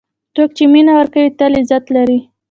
څوک چې مینه ورکوي، تل عزت لري.